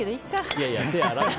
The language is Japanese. いやいや、手洗って。